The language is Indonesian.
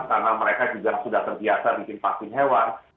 karena mereka juga sudah terbiasa bikin vaksin hewan